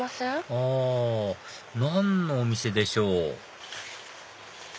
あ何のお店でしょう？